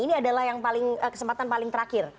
ini adalah kesempatan paling terakhir